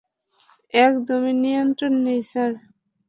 একদমই নিয়ন্ত্রণ নেই, স্যার।